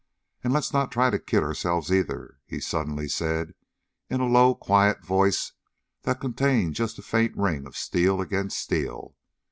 "And let's not try to kid ourselves either," he suddenly said in a low, quiet voice that contained just a faint ring of steel against steel.